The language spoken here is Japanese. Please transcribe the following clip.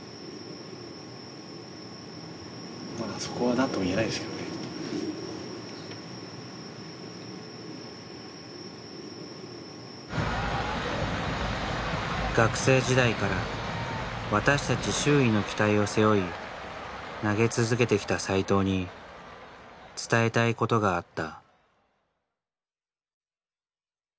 やっぱり僕の場合は学生時代から私たち周囲の期待を背負い投げ続けてきた斎藤に伝えたいことがあった。